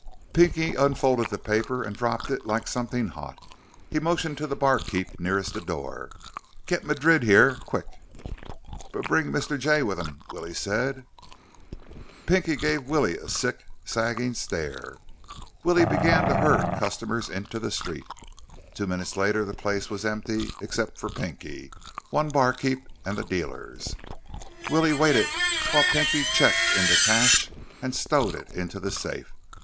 Pinky unfolded the paper and dropped it like something hot. He motioned to the barkeep nearest the door. "Get Madrid here! Quick!" "B bring Mr. Jay with him," Willie said. Pinky gave Willie a sick, sagging stare. Willie began to herd customers into the street. Two minutes later the place was empty except for Pinky, one barkeep, and the dealers. Willie waited while Pinky checked in the cash and stowed it into the safe.